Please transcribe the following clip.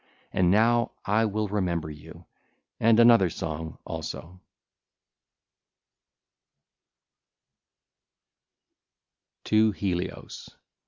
And now I will remember you and another song also. XXXI. TO HELIOS (ll.